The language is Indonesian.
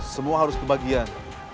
semua harus kebagian